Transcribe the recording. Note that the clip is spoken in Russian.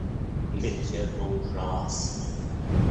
Ведь это ужасно!